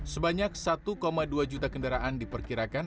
sebanyak satu dua juta kendaraan diperkirakan